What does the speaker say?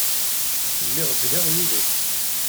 Lliɣ zhiɣ yid-k.